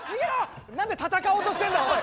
何で戦おうとしてるんだおい！